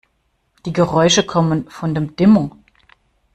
Die Geräusche kommen von dem Dimmer.